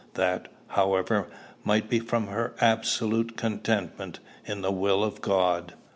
That, however, might be from her absolute contentment in the will of God.